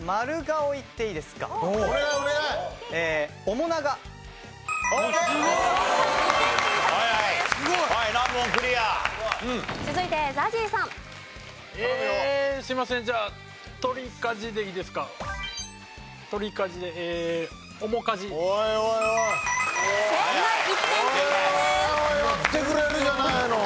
おいおいやってくれるじゃないの。